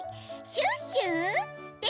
シュッシュ！